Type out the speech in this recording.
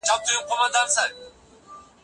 ډاکټر ناروغي تشخیص کړې ده.